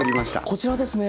こちらですね。